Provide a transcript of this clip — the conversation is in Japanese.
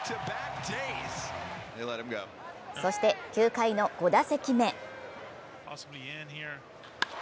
そして、９回の５打席目。